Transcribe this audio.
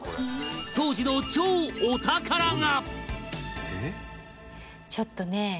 当時の超お宝が！